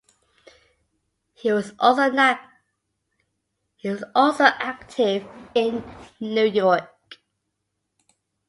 He was also active in New York.